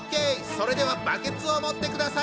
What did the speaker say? それではバケツを持ってください。